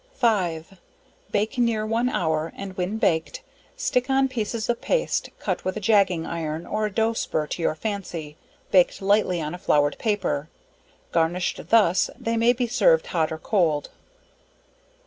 5. Bake near 1 hour, and when baked stick on pieces of paste, cut with a jagging iron or a doughspur to your fancy, baked lightly on a floured paper; garnished thus, they may be served hot or cold.